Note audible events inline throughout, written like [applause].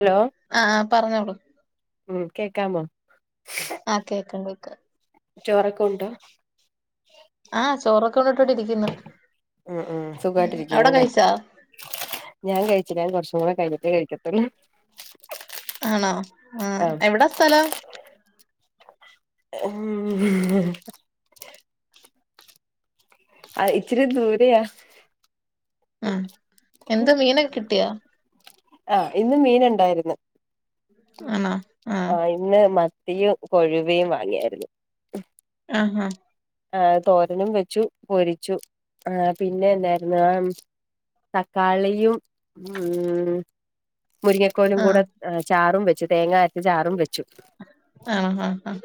Hello ആഹ് ആഹ് പർഞ്ഞോളു മ്മ് കേക്കാമോ ആഹ് കേക്കട് കേക്ക ചോറക്കണ്ടോ ആഹ് ചോറൊക്കെ ഉണ്ട്ട്ട് വടെരിക്കുന്ന് ഉം ഉം ഉം അവടെ സുഖമായിട്ടിരിക്കുന്നുല്ലേ കഴിച്ചോ ഞാൻ കഴിച്ചില്ല ഞാൻ കുറച്ചും കൂടെ കഴഞ്ഞിട്ടെ കഴിക്കത്തുള്ളൂ ആണോ ആഹ് എവിടാ സ്ഥലം? ഉം അഹ് ഇച്ചിരി ദൂരെയാ അഹ് എന്ത മീനൊക്കെ കിട്ട്യോ? ആഹ് ഇന്ന് മീന്ണ്ടായിര്ന്ന് ആണൊ ആഹ് ഇന്ന് മത്തിയും കൊഴുവയും വാങ്ങിയായിരുന്നു അഹ് ആഹ് ആഹ് തോരനും വെച്ചു പൊരിച്ചു ആ പിന്നെന്നായ്രുന്നു ആഹ് തക്കാളിയും ഉം മുരിങ്ങക്കോലും ആഹ് കൂടെ ചാറും വെച്ചു തേങ്ങഅരച്ച് ചാറും വെച്ചു ആണൊ ആഹ് ആഹ്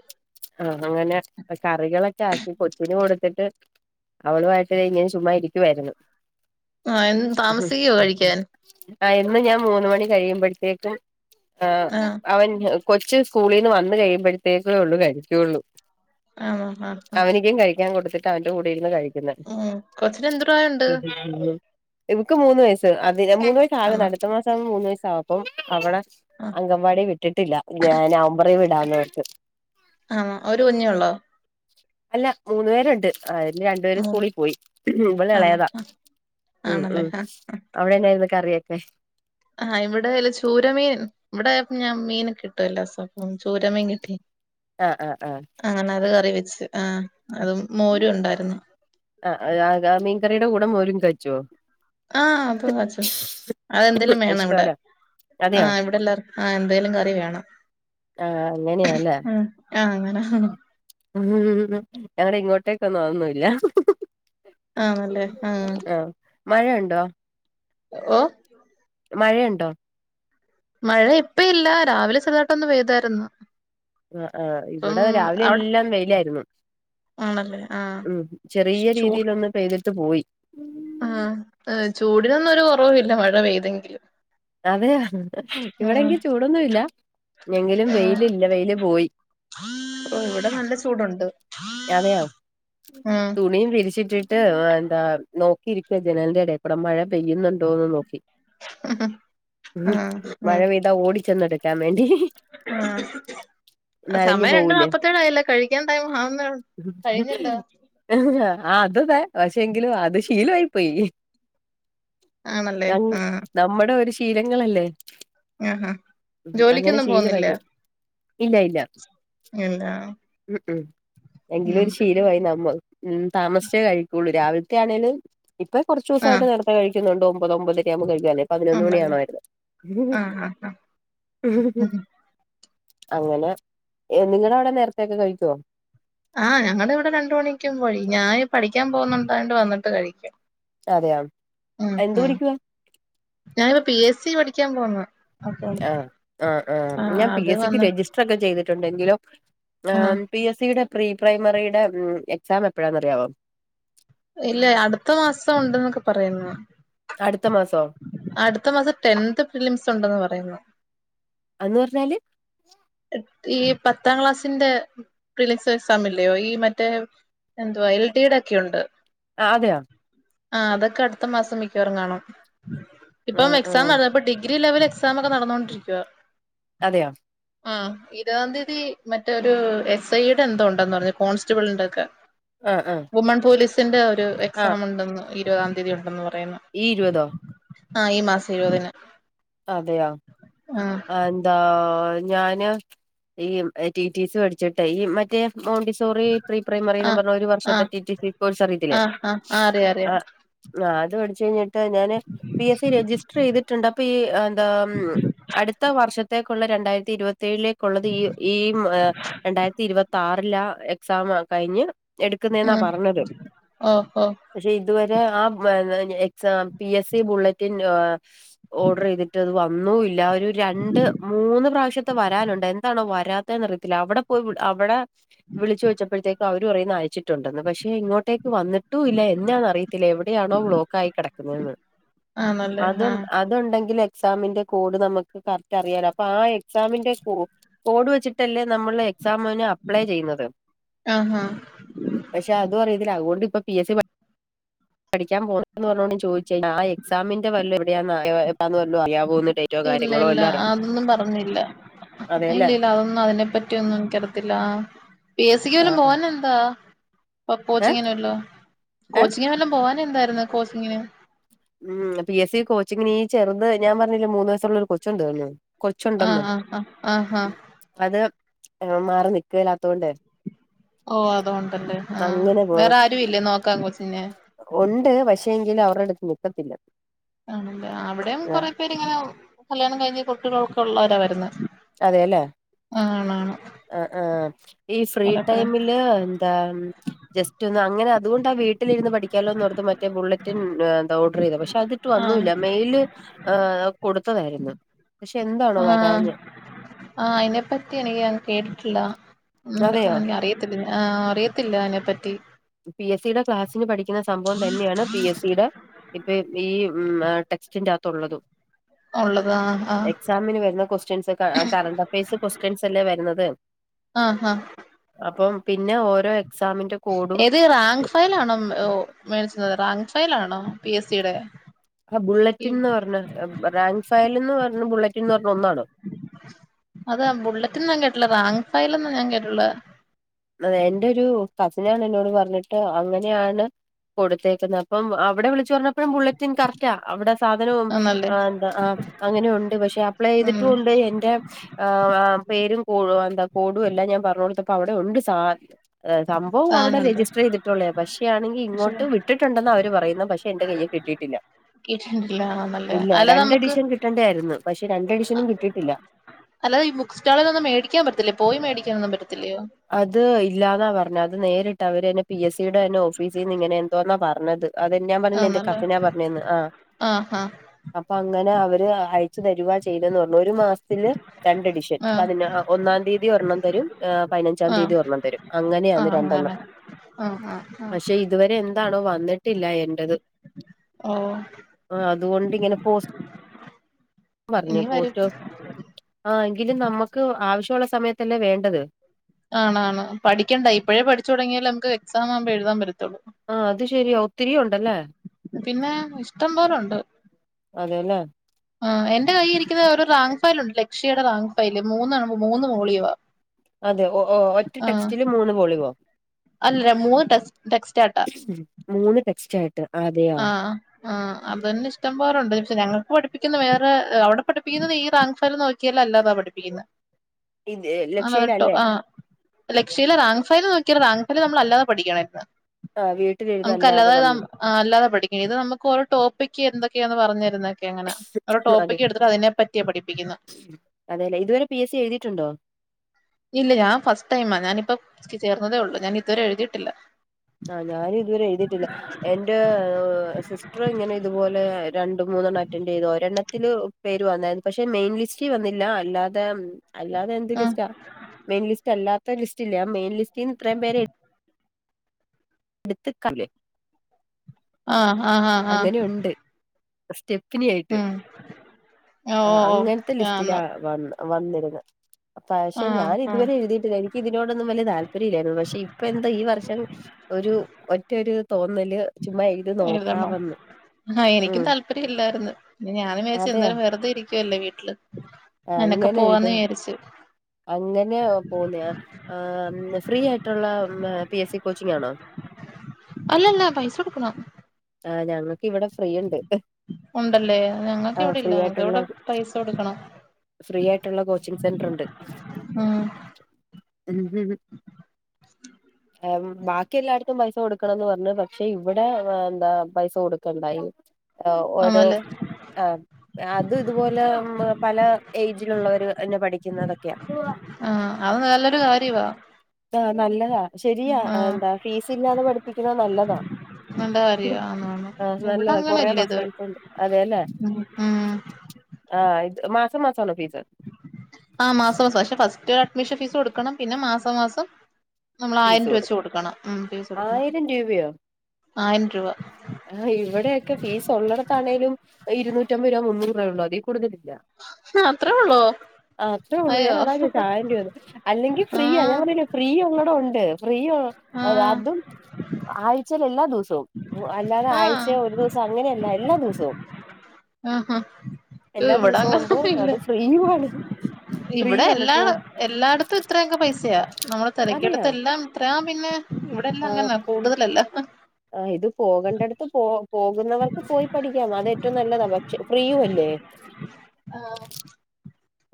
ആഹ് അങ്ങനെ കറികളൊക്കെ ആക്കി കൊച്ചിന് കൊടുത്തിട്ട് അവളുവായിട്ട് ഇങ്ങനെ ചുമ്മാ ഇരിക്കുവായിരുന്നു ആഹ് എന്ന് താമസിക്കുവോ കഴിക്കാൻ? ആഹ് എന്ന് ഞാൻ മൂന്ന് മണി കഴിയുമ്പഴ്ത്തേക്കും ആ ആഹ് അവൻ കൊച്ച് സ്കൂളീന്ന് വന്നു കഴിയുമ്പഴ്ത്തേക്കേള്ളു കഴിക്കുള്ളു ആണോ ആഹ് ആഹ് അവനിക്കും കഴിക്കാം കൊടുത്തിട്ട് അവന്റെ കൂടെ ഇരുന്ന് കഴിക്കും ഉം കൊച്ചിന് എന്ത് പ്രായണ്ട് ഇവൾക്ക് മൂന്ന് വയസ് അതിന് മൂന്ന് വയ ആക്ന്ന് ആണോ അടുത്ത മാസം ആകുമ്പോ മൂന്ന് വയസാവും അപ്പം അവളെ ആഹ് അങ്കംവാടി വിട്ടിട്ടില്ല ഞാൻ നവമ്പറി വിടാന്നോർത്ത് ആഹ് ഒരു കുഞ്ഞെള്ളോ? അല്ല മൂന്ന് പേരുണ്ട് അയ്ല് രണ്ടുപേര് ഉം സ്കൂളി പോയി ആണോ ഇവളെളേതാ ആഹ് ഉം ആണല്ലേ ഉം ആഹ് അവിടെന്നായിരുന്നു കറിയൊക്കെ? ആഹ് ഇവിടെല്ല ചൂരമീൻ ഇവ്ടെ ഞാ മീൻ കിട്ടൊല്ലോസൊ അപ്പം ചൂര മീൻ കിട്ടി ആഹ് ആഹ് ആഹ് ആഹ് അങ്ങനെ അത് കറി വെച്ച് ആഹ് അതും ഉം മോരുണ്ടായ്ര്ന്നു ആഹ് അഹ് മീൻകറിയുടെ കൂടെ മോരും കാച്ചോ? ആഹ്‌പ്പം കാച്ചും അതെന്തേലും വേണം വിടെ ഇഷ്ടമല്ല അതെയോ ആഹ് ഇവ്ടെല്ലാർക്കും ആഹ് എന്തേലും കറി വേണം ആഹ് അങ്ങനെയാല്ലേ ഉം ആഹ് അങ്ങനാ ഹ് ഹ് ഉ ഉം ഉം ഞങ്ങടെങ്ങോട്ടേക്കൊന്നും അതൊന്നും ഇല്ല ഹും ഹും ഹും ആഹ് മഴയുണ്ടോ? ഓഹ് മഴയുണ്ടോ? മഴ യിപ്പയില്ല രാവിലെ ചെറുതാട്ടൊന്ന് പെയ്തായിരുന്നു ആ ആഹ് ഇപ്പം ഇവിടെ രാവിലെ അവിടെ എല്ലാം വെയിലായിരുന്നു. ആണല്ലേ ആഹ് ഉം ചെറിയ പക്ഷെ ചൂ രീതിയിൽ ഒന്ന് പെയ്തിട്ട് പോയി ആഹ് ഹ് ചൂടിനൊന്നും ഒരു കുറവുവില്ല മഴ പെയ്തെങ്കിലും. അതെ ഇവിടെ ഉം എങ്കി ചൂടൊന്നുംല്ല എങ്കിലും ഉം വെയിൽ ഇല്ല വെയില് പോയി. ഓ ഇവിടെ നല്ല ചൂടുണ്ട് അതെയൊ ഉം തുണിയും വിരിച്ചിട്ട് ട്ട് മ് എന്താ നോക്കിയിരിക്ക്യാ ജനലിന്റെ ഇടെക്കൂടെ മഴ പെയ്യുന്നുണ്ടോന്ന് നോക്കി ആഹ് മ് മഴ പെയ്താ ഓടിച്ചെന്നെടുക്കാൻ വേണ്ടി ഹി ഹി ആ സമയം രണ്ടേ പോവൂലേ നാല്പ്പത്തേഴായല്ലോ കഴിക്ക് ഴിക്കാൻ ടൈം ആവ്ന്ന് കഴിഞ്ഞല്ലോ ആ അത് ദേ പക്ഷെ എങ്കിലും അത് ശീലായിപോയി. ആണല്ലേ ഞങ്ങ് ആഹ് നമ്മുടെ ഒരു ശീലങ്ങളല്ലേ ആഹാ ഉം അങ്ങനെ ജോലിക്കൊന്നും ശീലം പോവുന്നില്ല വൈകും ഇല്ല ഇല്ല ഇല്ല ഉം ഉം എങ്കിലും ഉം ഒരു ശീലമായി നമ്മൾ ഉ താമസിച്ചേ കഴിക്കുള്ളൂ രാവിലത്തെ ആണേലും. ഇപ്പൊ കുറച്ച് ദിവസം ആഹ് ആയിട്ട് നേരത്തെ കഴിക്കുന്നുണ്ട് ഒമ്പത് ഒമ്പതരയാകുമ്പോ കഴിക്കാനെ. പതിനൊന്ന് ഉണ്ടല്ലേ മണിയാവണായിരുന്ന് ആഹ് ആഹ് ആഹ് അങ്ങനെ നിങ്ങടെ അവിടെ നേരത്തൊക്കെ കഴിക്കോ? ആ ഞങ്ങടെ ഇവിടെ രണ്ട് മണിക്കുമുമ്പ് കഴിക്കും ഞാൻ പഠിക്കാൻ പോകുന്നുണ്ടായണ്ട് വന്നിട്ട് കഴിക്കും. അതെയോ എന്ത് പഠിക്കുവാ? ഞാനി പി എസ് സി പഠിക്കാൻ പോന്ന് ആഹ് ആഹ് ആഹ് ഞാൻ പി അത് എസ് സിക്ക് വന്നിട്ട് രജിസ്റ്റർ ഒക്കെ ചെയ്തിട്ടുണ്ടെങ്കിലും ആ ആഹ് പി എസ് സിയുടെ പ്രീ പ്രൈമറിയുടെ എക്സാം എപ്പോഴാന്ന് അറിയാവോ? ഇല്ല അടുത്ത മാസം ഉണ്ട് എന്നൊക്കെ പറയുന്നു. അടുത്ത മാസോ? അടുത്ത മാസം ടെൻത് ഫിലിംസ് ഉണ്ടെന്ന് പറയുന്നു. അന്ന് പറഞ്ഞാല് ഈ പത്താം ക്ലാസ്സിന്റെ പ്രിലിസ് എക്സാം ഇല്ലയോ ഈ മറ്റേ എന്ത്വാ എൽ ഡി ടെ ഒക്കെണ്ട്. ആ അതെയാ ആഹ അതൊക്കെ അടുത്ത മാസം മിക്കവാറും കാണു ആ ഇപ്പം ആ എക്സാം നടന്നപ്പൊ ഡിഗ്രി ലെവൽ എക്സാം ഒക്കെ നടന്നുകൊണ്ടിരിക്കുവാ. അതെയോ ആ ഇരുപതാം തീയതി മറ്റൊരു എസ് ഐയുടെ എന്തോ ഉണ്ടന്ന് പറഞ്ഞു കോൺസ്റ്റബിളിന്റെ ഒക്കെ. ആ ആ വുമൺ പോലീസിന്റെ ഒരു ആ എക്സാം ഉണ്ടെന്ന് ഇരുപതാം തീയതി ഉണ്ടെന്ന് പറയുന്നു. ഈ ഇരുപതോ ആഹ ഈ മാസം ഇരുപതിന് അതെയോആ. ആഹ് ഞാന് ഈ ടി ടി സി പഠിച്ചിട്ട് ഈ മറ്റേ മൗണ്ട സോറി പ്രീ പ്രൈമറിന്ന് ആഹ് പറഞ്ഞ ഒരു വർഷത്തെ ആഹ് ടിടി സി കോഴസ് അറിയത്തില്ലേ ആഹ് ആഹ് ആഹ് അറിയാം ആ അറിയാം ആ അത് പഠിച്ചു കഴിഞ്ഞിട്ട് ഞാന് പി എസ് സി രജിസ്റ്റർ ചെയ്തിട്ടുണ്ട് അപ്പൊ ഈ. അടുത്ത വർഷത്തേക്കുള്ള രണ്ടായിരത്തി ഇരുപത്തി ഴിലേക്കുള്ളത് ഈ രണ്ടായിരത്തി ഇരുപത്തി ആറില ആ എക്സാം കഴിഞ്ഞ്. എടുക്കുന്നെന്നാ ഉം പറഞ്ഞത് ഓഹ് ഓഹ് പക്ഷെ ഇതുവരെ ആ എക്സ P S C bulletin. Order ചെയ്തിട്ട് അത് വന്നൂല്ല ഒരു രണ്ട് മൂന്ന് പ്രാവശ്യത്തെ വരാനുണ്ട് എന്താണോ വരാ റിയത്തില്ല അവിടെ പോയി അവിടെ വിളിച്ചച്ച് വെച്ചപ്പോഴത്തേക്ക് അവരും പറയുന്നേ അയച്ചിട്ട്. ട്ടുണ്ടെന്ന് പക്ഷെ ഇങ്ങോട്ടേക്ക് വന്നിട്ടും ഇല്ല എന്നാന്ന് അറിയത്തില്ല എവിടെയാണോ ബ്ലോക്ക് ആയി കിടക്കുന്നതന്ന്. ആണല്ലേ ആഹ അത്ണ്ടെങ്കിൽ എക്സാമിന്റെ കോഡ് നമുക്ക് കറക്റ്റ് അറിയാനോ അപ്പൊ ആ എക്സാമിന്റെ കോഡ്. ഓഡ് വെച്ചിട്ടല്ലേ നമ്മള് എക്സാമന് അപ്ലൈ ചെയ്യുന്നത്. ആഹ് ആഹ് പക്ഷെ അതു അറിയതില അതുകൊണ്ട് ഇപ്പ പി എ സി പ പഠിക്കാൻ പോണന്ന് പറഞ്ഞോണ്ട് ഞാ ചോദിചില്ല ആ എക്സാമിന്റെ വല്ലും എവിടെയന്ന് [unintelligible] അറിയുന്നത് ഇല്ല ല്ലല്ല അതൊന്നും പറഞ്ഞില്ല അതെല്ലേ ഇല്ലല്ല അതൊന്നും അതിനെ പ റ്റൊന്നും നിക്കറത്തില്ല പി എസ് സിക്ക് ആ വല്ലും ആ പോവനെന്താ പ്പൊ ഏ കോച്ചിങ്ങിന്ല്ലോ ഏ കോച്ചിങ്ങിന് വല്ലം പോവാന് ന്തായിരുന്നു കോച്ചിങ്ങിന് ഉം പി എസ് സി കോച്ചിങ്ങിന് ഈ ചെറുത് ഞാ പറഞ്ഞില്ലേ മൂന്ന് വയസ്സുള്ളൊരു കൊച്ചുണ്ട്ന്ന് ആഹ് കൊച്ചുണ്ട്ന്ന് ആഹ് ആഹ് ആഹ് ആഹ് മ്മ് അത് ഹ് മാറി നിക്കല്ലാത്തോണ്ട് ഓ അതുവോണ്ടല്ലേ ആ അങ്ങനെ വേറാരു ഇല്ലേ നോക്കാൻ കൊച്ചിനെ ഉണ്ട് പക്ഷേെങ്കില് അവരെടുത്ത് നിക്കത്തില്ല ആണല്ലേ അവിടെയും ആ കുറെ പേരിങ്ങനെ കല്യാണം കഴിഞ്ഞ് കുട്ടികൾ ത്തുള്ളരാ വരുന്നേ അതെല്ലേ ആണാണ് ആഹ് ആഹ് ഈ ഫ്രീ കൊറേ പേരെ ടൈമില് ന്താ മ് ജസ്റ്റ് ഒന്ന് അങ്ങനെ അതുകൊണ്ട് ആ വീട്ടിലിരുന്ന് പഠിക്കാലോന്നോർത്ത് മറ്റേ ബുള്ളറ്റിൻ ഹ ന്ത ഓർഡർ ചെയ്തത് പക്ഷെ അത് ട്ടും ആഹ് ഒന്നുല്ല്യ മെയില് ആഹ് കൊടുത്തതായിരുന്നു പക്ഷെ എന്താണോ ആഹ് വരാഞ്ഞെ ആഹ് അയിനെപ്പറ്റി എനിക്ക് കേട്ടിട്ടില്ല ഉം അതെയോ പറ്റന അറിയത്തില്ല ഹ്ഹ അറിയത്തില്ല അയ്നെപ്പറ്റി പി എസ് സിടെ ക്ലാസ്സിന് പഠിക്കുന്ന സംഭവം തന്നെയാണ് പി എസ് സിടെ ഇപ്പ ഈ ഹ്മ്മ് അ ടെക്സ്സിന്റെകത്തുള്ളതും ഉള്ളത് ആഹ് ആഹ് എക്സാമിന് വരുന്ന ക്വസ്റ്റ്യൻസ് അ കറണ്ട്അഫയേഴ്സ് ക്വസ്റ്റ്യൻസ് അല്ലേ വരുന്നത് ആഹ് ആഹ് അപ്പം പിന്നെ ഓരോ എക്സാമിന്റെ കോടും ത് റാങ്ക് ഫയലാണോ ഹ്മ്മ് ഹോ മേടിച്ചത് റാങ്ക് ഫയലാണോ പി എസ് സിടെ അ ബുള്ളറ്റിൻന്ന് പറഞ്ഞ ഹ്മ്മ് റാങ്ക് ഫയല്ന്ന് പറഞ്ഞ ബുള്ളറ്റിൻന്ന് പറഞ്ഞ ഒന്നാണോ അത ബുള്ളറ്റിൻന്ന് ഞാ കേട്ടില്ല റാങ്ക് ഫൈല്ന്ന് ഞാൻ കേട്ടുള് അതെ എന്റെരു കസിനാണ് എന്നോട് പറഞ്ഞിട്ട് അങ്ങനെയാണ് കൊടുത്തേക്കുന്ന് അപ്പം അവിടെ വിളിച്ച് പറഞ്ഞപ്പോഴും ബുള്ളറ്റിൻ കറക്റ്റാ അവിടെ സാധനും ആന്നല്ലേ ഹ് ന്താ ആഹ് അങ്ങനെയുണ്ട് പക്ഷെ ഉം അപ്ലൈയ്തിട്ടുണ്ട് എന്റെ [unintelligible] പേരും കോടും എല്ലാ ഞാൻ പറഞ്ഞ്ടുത്തപ്പൊ അവ്ടെ ഉണ്ട് സാ ഹ് സംഭവം അവ്ടെ സാധനണ്ട് രജിസ്റ്റർ ചെയ്തിട്ടുള്ളയാ പക്ഷെ ആണെങ്കി പക്ഷെ ഇങ്ങോട്ട് വിട്ടിട്ടുണ്ടെന്നാ അവര് പറയുന്നെ പക്ഷെ എന്റെ കൈ കിട്ടിയിട്ടില്ല [unintelligible] [unintelligible] ഇല്ല നമുക്ക് രണ്ട്ഡിഷൻ കിട്ടേണ്ടായിരുന്നു പക്ഷെ രണ്ട്ഡിഷനും കിട്ടിയിട്ടില്ല അല്ലതെ ഈ ബുക്ക്സ്റ്റാളില്ന്നും മേടിക്കാൻ പറ്റത്തില്ലേ പോയി മേടിക്കാനൊന്നും പറ്റത്തില്ലയോ അത് ഇല്ലാന്നാ പറഞ്ഞത് അത് നേരിട്ട് അവര്ന്നെ പി എസ് സിടെ ന്നെ ഓഫീസീന്ന്ങ്ങനെ ന്തോന്നാ പറഞ്ഞത് അത് ന് ഞാ പറഞ്ഞില്ലേ എന്റെ ആന്നല്ലേ കസിനാ പറഞ്ഞേന്ന് ആഹ് ആഹ് ആഹ് അപ്പൊ അങ്ങനെ അവര് അയച്ചു തരുവാ ചെ ചെയ്ത് ന്ന് പറഞ്ഞു ഒരു മാസ്ത്തിൽ രണ്ട്ഡിഷൻ ആഹ് അപ്പതിന് അ ഒന്നാം തീയതി ഒരെണ്ണം തരും ആഹ് പയ്നഞ്ചാം ആഹ് തീയതി ഒരണ്ണം തരും അങ്ങനെയാന്ന് ആഹ് അങ്ങനെ രണ്ടെണ്ണം. ആഹ് ആഹ് ആഹ് പക്ഷെ ഇ ഇതുവരെ എന്താണോ വന്നിട്ടില്ല എന്റത് ഓഹ് ആഹ് അതുകൊണ്ടിങ്ങനെ പോസ് പറഞ്ഞു ഇനി വരും പോസ്റ്റ് ഒ ആഹ് എങ്കിലും നമ്മക്ക് ആവശ്യള്ള സമയത്തല്ലേ വേണ്ടത് ആണാണ് പഠിക്കേണ്ട ഇപ്പഴേ പഠിച്ചുടങ്ങിയല് നമ്ക്ക് എക്സാം ആവുമ്പോ എഴുതാൻ പറ്റത്ത്‌ള്ളൂ ആഹ് അത് ശരിയാ ഒത്തിരി ഉണ്ടല്ലേ. പിന്നെ ഇഷ്ടം പോലുണ്ട് അതെല്ലേ ആഹ് എന്റെ കയ്യിരിക്കുന്നോരു റാങ്ക് ഫയലുണ്ട് ലക്ഷിയ്ടെ റാങ്ക് ഫയല് മൂന്നാണുമ്പോ മൂന്ന് മോളിയോ അതെ ഒ ഓഹ് ഒറ്റ ടെക്സ്റ്റില് മൂന്ന് വോളിയോ അല്ല മൂന്ന് ഡസ്റ്റ് ടെക്സ്സ് ആട്ടാ ഉം മൂന്ന് ടെക്സ്റ്റാ ട്ട് അതെ ആഹ് ആഹ് അതന്നെ ഇഷ്ടം പോലുണ്ട് പക്ഷെ ഞങ്ങക്ക് പഠിപ്പിക്കുന്നത് വേറെ അവിടെ പഠിപ്പിക്കുന്നത് ഈ റാങ്ക് ഫയല് നോക്കി ക്കിയലല്ലതാ പഠിപ്പിക്കുന്നേ ഇത് ലക്ഷ്യയിലല്ലേ [unintelligible] ആഹ് ലക്ഷിയില് റാങ്ക് ഫയൽ നോക്കിയാ റാങ്ക്ഫയൽ നമ്മള്അല്ലാതെ പഠിക്കണായിരുന്നു. ആഹ് വീട്ടിലിരുന്നല്ലാതെ നമുക്കല്ലാതെ നമ്മ ആഹ് അല്ലാതെ പഠിക്കണത്. ഇത് നമുക്ക് ഒരു ടോപ്പിക്ക് എന്തൊക്കെയാന്ന് പറഞ്ഞു തരുന്നൊക്കെ അങ്ങനാ. അവരുടെ അതെ ടോപ്പിക് എടുത്തിട്ട് അതിനെ പറ്റിയാ പഠിപ്പിക്കുന്നേ അതെലേ ഇതുവരെ പി എസ് സി എഴുതിട്ടുണ്ടോ? ഇല്ല ഞാൻ ഫസ്റ്റ് ടൈംമാ ഞാനിപ്പം ചേർന്നതേ ഉള്ളൂ ഞാൻ ഇതുവരെ എഴുതിയിട്ടില്ല. ആഹ് ഞാനും ഇതുവരെ എഴുതിട്ടില്ല. എന്റെ സിസ്റ്റർ ഇങ്ങനെ ഇതുപോലെ രണ്ടു മൂന്നെണ്ണം അറ്റൻഡ് ചെയ്തു ഒരെണ്ണ തില് പേര് വന്നായിരുന്നു പക്ഷെ മെയിൻ ലിസ്റ്റിവന്നില്ല അല്ലാതെ അല്ലാതെ എന്ത് ഉം ലിസ്റ്റാ മെയിൻ ലിസ്റ്റ് അല്ലാത്ത ലിസ്റ്റില്ലേ മെയിൻ ലിസ്റ്റിന്ന് ഇത്രയും പേ [unintelligible] ആഹ്ആഹ് ആഹ് ആഹ് അങ്ങനെ ഉണ്ട് സ്റ്റെപ്പിനി ആയിട്ട്. ഉം ഓ ആഹ് ഓ അങ്ങനത്തെ ആന്നോ ലിസ്റ്റിലാ വന്നേ- വന്നിരുന്നു. പക്ഷെ ആഹ് ഞാൻ ആഹ് ഇതുവരെ എഴുതി എനിക്ക് ഇതിനോടൊന്നും വലിയ താല്പര്യമില്ലായിരുന്നു പക്ഷെ ഇപ്പൊ എന്താ ഈ വർഷം ഒരു ഒറ്റരു തോന്നല് ചുമ്മാ എഴുതണം നോക്കാവെന്ന് ആഹ് എനിക്കും ഉം താല്പര്യം ഇല്ലായിരുന്നു. പിന്നെ ഞാനും വിചാരിച്ചു അതെയാ എന്താലും വെറുതെ ഇരി ക്കല്ലേ വീട്ടില് ഇങ്ങനൊക്കെ അങ്ങനെ പോവാന്ന് എഴുതാ വിചാരിച്ചു. അങ്ങനെ പോന്നയാ ആഹ് ഫ്രീ ആയിട്ടുള്ള പി എസ് സി കോച്ചിങ് ആണോ? അല്ലല്ല പൈസ കൊടുക്കണം. ആഹ് ഞങ്ങൾക്ക് ഇവിടെ ഫ്രീ ഉണ്ട്. ഉണ്ടല്ലേ ഞങ്ങക്ക് ആഹ് എവിടെ ഇല്ല ഫ്രീ ഞങ്ങക്ക് ആയിട്ടുള്ള ഇവിടെ പൈസ കൊടുക്കണം. ഫ്രീ ആയിട്ട്ള്ള കോച്ചിങ് സെന്റർ ഇണ്ട്. ഉം ഉം ഉം ബാക്കി എല്ലായിടത്തും പൈസ കൊടുക്കണംന്ന് പറഞ്പക്ഷെ ഇവടെ ന്താപൈസ കൊടുക്കണ്ട ഇ ഈ ഓരോ ആന്നല്ലേ ആഹ് അത് ഇതുപോലെ പല ഏയ്ജിലുള്ളവര് തന്നെ പഠിക്കുന്നതൊക്കെയാ. ആഹ് അതു നല്ലൊരു കാര്യവാ. ആഹ് നല്ലതാ ശെരിയാ ആഹ് എന്താ ഫീസ് ഇല്ലാതെ പഠിപ്പിക്കുന്നത് നല്ലതാ. നല്ല കാര്യ ആന്ന് ആന്ന് ആ ഇവിടെ നല്ലതാ കൊറേ അങ്ങനെല്ല ഇത് റഫറൻസുണ്ട് അതേലെ ഉം ഉം ആ ഇത് മാസം മാസണോ ഫീസ്? ആ മാസ മാസം പക്ഷെ ഫസ്റ്റ് അഡ്മിഷൻ ഫീസ് കൊടുക്കണം പിന്നെ മാസം മാസം നമ്മളായിരം രൂപ വെച്ച് കൊടുക്കണം. ഉം ഫീസ് കൊടുക്കണം ആയിരം ആയിരം രൂവ. ആ ഇവിടെ ഒക്കെ ഫീസ് ഒള്ളട്ത്താണേലും ഇരൂനൂറ്റമ്പത് രൂവ മുന്നൂറ് രൂപ [unintelligible] [unintelligible] ഫീസ് കൂടുതലില്ല ഏഹ് അത്രേ ഉള്ളോ? ആഹ് അത്രേ ഒള്ളൂ ഞാനതാ [unintelligible] ചോദിച്ചത് ആയിരം രൂവേന്ന് അല്ലെങ്കിൽ ഫ്രിയാ ഞാൻ ആഹ് പറ ഫ്രീഉള്ളടം ഉണ്ട് ഫ്രീ അത് ആഹ് അതും ആഴ്ചയിൽ എല്ലാ ദിവസവും. അല്ലാതെ ആഴ്ച ആഹ് ഒരു ദിവസം അങ്ങനെയല്ല എല്ലാ ദിവസവും ആഹ് ഹാ എല്ലാ ദിവസം ഉണ്ട് അത് ഫ്രീയു ആണ് ഇവിടെ ഫ്രീയാണ്. എല്ലാ എല്ലയിടത്തും ഇത്രയൊക്കെ പൈസയാ നമ്മ അതെയാ തെരക്കിടുത്ത് എല്ലാം ഇത്രയാ പിന്നെ ഇവിടെ എല്ലാം ആഹ് അങ്ങനാ കൂടുതലല്ലാത്ത. ആഹ് ഇത് പോകണ്ട്യേടുത്ത് പോ പോകുന്നവർക്ക് പോയി പഠിക്കാം അതേറ്റവും നല്ലതാ പക്ഷെ ഫ്രീയും അല്ലേ. ആഹ്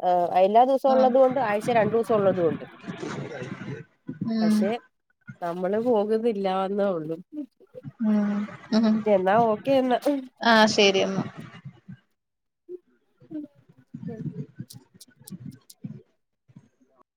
ആ അയ്ല്ലാ ദിവസ ആഹ് ഉള്ളൊതൊണ്ട് ആഴ്ച രണ്ടുസം ഉള്ളതൊണ്ട് ഉം പക്ഷെ നമ്മള് പോകുന്നില്ലാന്നേ ഒള്ളൂ ഉം ഉം എന്നാ ഓക്കെ ഇന്ന് ആഹ് ശെരിയെന്നാ [unintelligible] [inaudible]